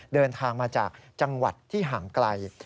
เดินทางมาจากจังหวัดที่ห่างไกล